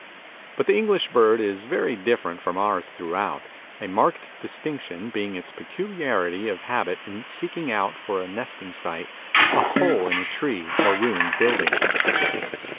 But the English bird is very different from ours throughout, a marked distinction being its peculiarity of habit in seeking out for a nesting site a hole in a tree or ruined building.